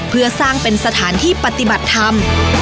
เพื่อสร้างเป็นสถานที่ปฏิบัติธรรม